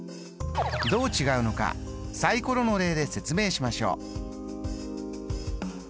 どう違うのかサイコロの例で説明しましょう。